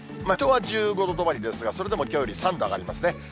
水戸は１５度止まりですが、それでもきょうより３度上がりますね。